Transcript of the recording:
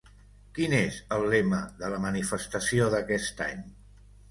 Quin és el lema de la manifestació d'aquest any?